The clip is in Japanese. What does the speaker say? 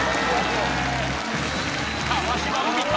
川島海荷